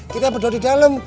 kita berdoa di dalam